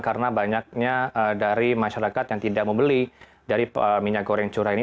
karena banyaknya dari masyarakat yang tidak membeli dari minyak goreng curah ini